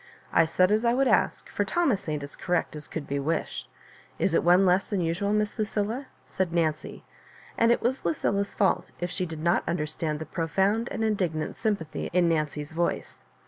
I said as I would ask, for Thomas ain't as correct as could be wished. Is it one less than usual, Miss Lucilla ?" said Nancy ; and it was Lucilla's fault if she did not understand the profound and indignant . ympathy in Nancy's voice.